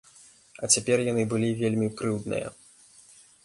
А цяпер яны былі вельмі крыўдныя.